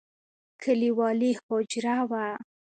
کليوالي حجره وه.